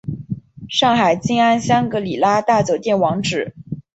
上海静安香格里拉大酒店网址